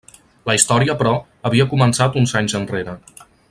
La història, però, havia començat uns anys enrere.